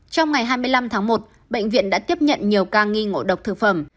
trong ngày hai mươi năm tháng một bệnh viện đã tiếp nhận nhiều ca nghi ngộ độc thực phẩm